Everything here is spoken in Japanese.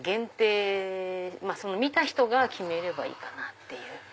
まぁ見た人が決めればいいかなっていう。